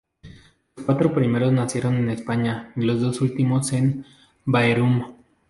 Los cuatro primeros nacieron en España, y los dos últimos en Bærum.